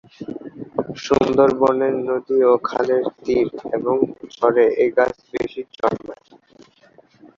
সুন্দরবনের নদী ও খালের তীর এবং চরে এ গাছ বেশি জন্মায়।